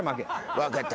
分かった。